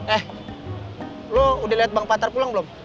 eh lo udah liat bang patar pulang belum